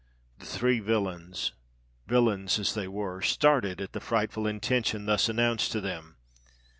The three villains—villains as they were—started at the frightful intention thus announced to them.